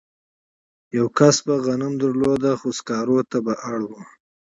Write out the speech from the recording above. یوه کس به غنم درلودل خو سکارو ته به اړ و